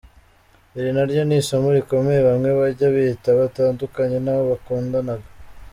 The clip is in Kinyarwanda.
Iri naryo ni isomo rikomeye bamwe bajya bita batandukanye n’abo bakundanaga.